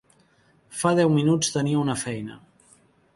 Fa deu minuts tenia una feina.